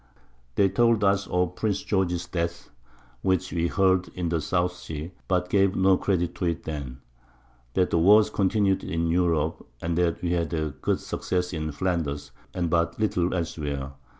They told us of Prince George's Death, which we heard of in the South Seas, but gave no Credit to it then; That the Wars continued in Europe; and that we had good Success in Flanders, and but little else where.